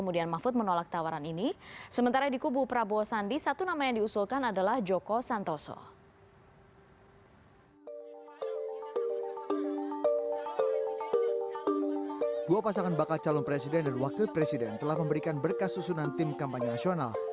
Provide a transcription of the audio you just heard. kedua pasangan bakal calon presiden dan wakil presiden telah memberikan berkas susunan tim kampanye nasional